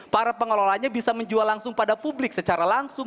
para pengelolanya bisa menjual langsung pada publik secara langsung